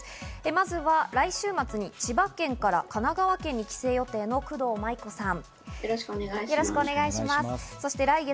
まずは来週末に千葉県から神奈川県に帰省予定の工藤麻威子さん。